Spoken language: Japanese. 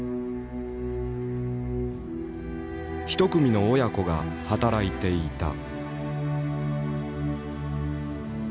１組の親子が働いていた。